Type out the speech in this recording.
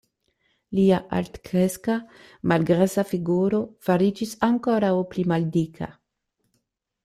Lia altkreska, malgrasa figuro fariĝis ankoraŭ pli maldika.